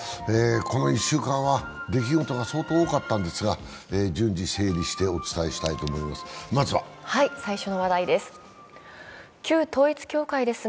この１週間は出来事が相当多かったんですが、順次、整理してお伝えしたいと思います。